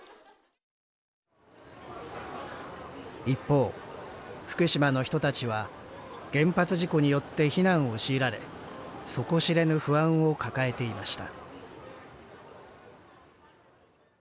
一方福島の人たちは原発事故によって避難を強いられ底知れぬ不安を抱えていました